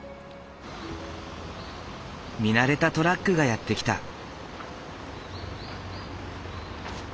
見慣れたトラックがやって来た。